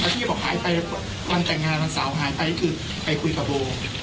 ที่บอกหายไปวันแต่งงานวันเสาร์หายไปก็คือไปคุยกับโบ